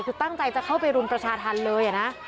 คือตั้งใจจะเข้าไปรุมประชาธรรมเลยนะ